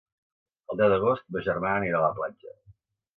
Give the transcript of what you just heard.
El deu d'agost ma germana anirà a la platja.